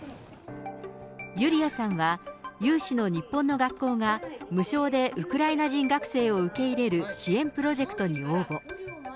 ユリアさんは、有志の日本の学校が無償でウクライナ人学生を受け入れる支援プロジェクトに応募。